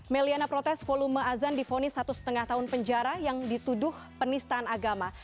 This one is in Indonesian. meliana protes volume azan difonis satu lima tahun penjara yang dituduh penistaan agama